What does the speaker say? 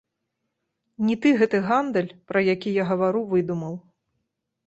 Не ты гэты гандаль, пра які я гавару, выдумаў.